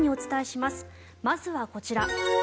まずはこちら。